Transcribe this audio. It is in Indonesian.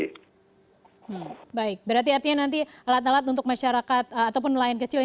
hmm baik berarti artinya nanti alat alat untuk masyarakat ataupun nelayan kecil